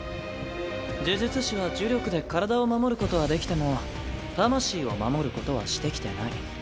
呪術師は呪力で体を守ることはできても魂を守ることはしてきてない。